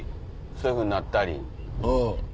そういうふうになったり。